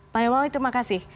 bang hermawi terima kasih